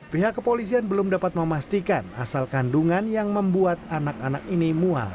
pihak kepolisian belum dapat memastikan asal kandungan yang membuat anak anak ini mual